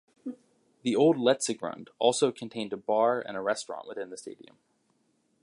The old Letzigrund also contained a bar and a restaurant within the stadium.